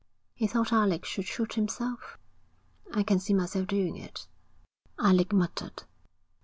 He thought Alec should shoot himself? 'I can see myself doing it,' Alec muttered.